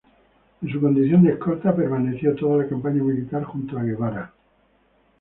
En su condición de escolta, permaneció toda la campaña militar junto a Guevara.